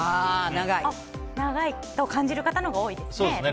長いと感じる方のほうが多いですね。